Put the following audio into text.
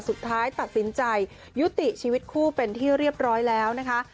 สุดท้ายตัดสินใจยุติชีวิตคู่เป็นที่เรียบร้อยแล้วนะคะ